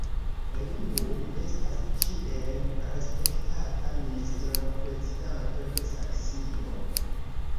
Li nun estas ĉiel respektata ministroprezidanto de Saksio.